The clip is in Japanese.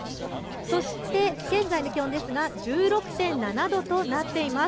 そして現在の気温ですが１６．７度となっています。